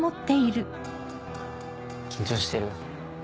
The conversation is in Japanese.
緊張してる？